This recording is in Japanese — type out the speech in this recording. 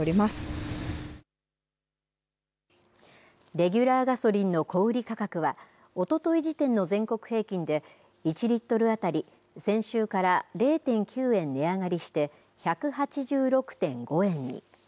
レギュラーガソリンの小売り価格は、おととい時点の全国平均で、１リットル当たり先週から０．９円値上がりして、１８６．５円に。